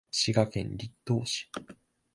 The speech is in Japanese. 滋賀県栗東市